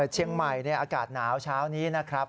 เชียงใหม่อากาศหนาวเช้านี้นะครับ